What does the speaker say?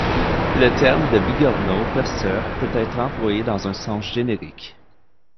Le terme de bigorneau perceur peut être employé dans un sens générique.